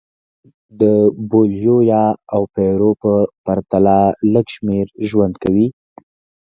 د بولیویا او پیرو په پرتله لږ شمېر ژوند کوي.